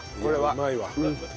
うまいわ。